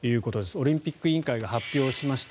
オリンピック委員会が発表しました。